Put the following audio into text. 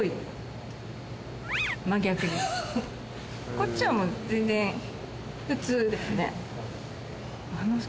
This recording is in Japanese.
こっちはもう全然普通ですね